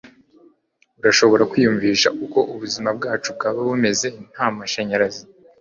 urashobora kwiyumvisha uko ubuzima bwacu bwaba bumeze nta mashanyarazi